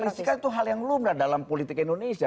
soal koalisikan itu hal yang lumrah dalam politik indonesia